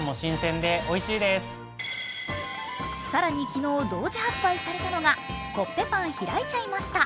更に昨日、同時発売されたのがコッペパンひらいちゃいました。